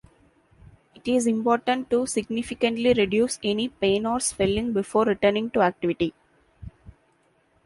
It is important to significantly reduce any pain or swelling before returning to activity.